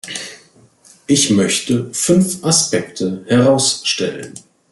Ich möchte fünf Aspekte herausstellen.